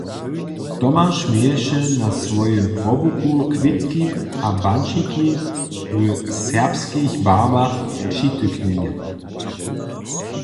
Tomaš měješe na swojim kłobuku kwětki a banćiki w serbskich barbach přityknjene.